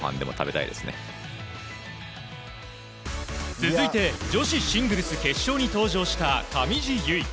続いて、女子シングルス決勝に登場した上地結衣。